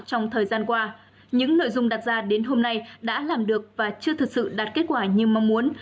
trong thời gian qua những nội dung đặt ra đến hôm nay đã làm được và chưa thực sự đạt kết quả như mong muốn